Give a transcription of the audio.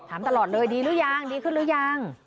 ถามตลอดเลยดีหรือยังดีขึ้นหรือยัง